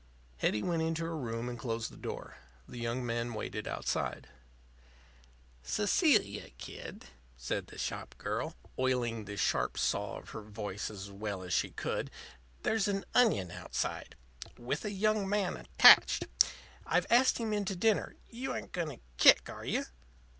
Hetty went into her room and closed the door. The young man waited outside. "Cecilia, kid," said the shop girl, oiling the sharp saw of her voice as well as she could, "there's an onion outside. With a young man attached. I've asked him in to dinner. You ain't going to kick, are you?"